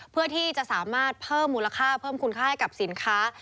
เพื่อที่จะสามารถเพิ่มมูลค่าเพิ่มคุณค่าให้กับสินค้า